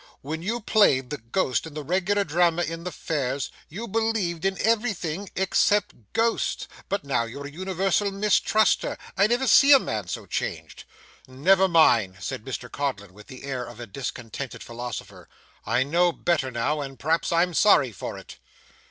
'When you played the ghost in the reg'lar drama in the fairs, you believed in everything except ghosts. But now you're a universal mistruster. I never see a man so changed.' 'Never mind,' said Mr Codlin, with the air of a discontented philosopher. 'I know better now, and p'raps I'm sorry for it.